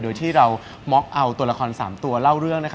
โดยที่เราม็อกเอาตัวละคร๓ตัวเล่าเรื่อง